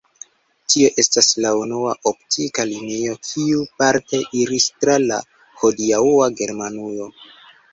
Tio estas la unua optika linio kiu parte iris tra la hodiaŭa Germanujo.